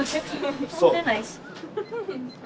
とんでないし。